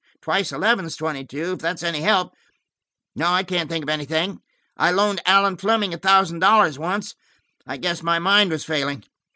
Twice eleven is twenty two, if that's any help. No, I can't think of anything. I loaned Allan Fleming a thousand dollars once; I guess my mind was failing.